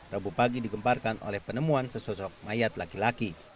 rabu pagi digemparkan oleh penemuan sesosok mayat laki laki